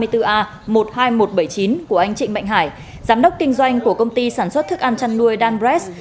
của anh trịnh mạnh hải giám đốc kinh doanh của công ty sản xuất thức ăn chăn nuôi dan press